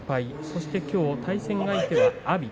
そしてきょう対戦相手は阿炎。